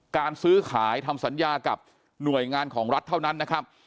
การซื้อขายทำสัญญากับหน่วยงานของรัฐเท่านั้นนะครับ